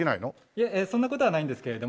いえそんな事はないんですけれども。